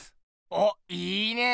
おっいいねえ。